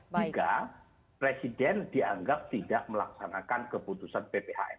tiga presiden dianggap tidak melaksanakan keputusan pphn